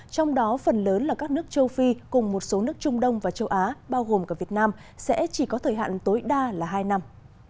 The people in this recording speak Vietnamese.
trong đó phần lớn là các nước châu phi cùng một số nước trung đông và châu á bao gồm cả việt nam sẽ chỉ có thời hạn tối đa là hai năm